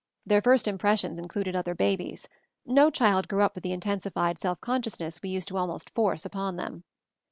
Their first impressions included other babies; no child grew up with the intensified self con sciousness we used to almost force upon them.